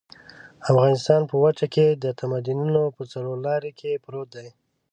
افغانستان په وچه کې د تمدنونو په څلور لاري کې پروت دی.